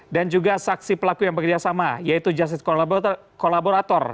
dan juga saksi pelaku yang bekerjasama yaitu justice collaborator